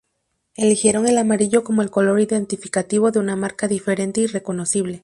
Eligieron el amarillo como color identificativo de una marca diferente y reconocible.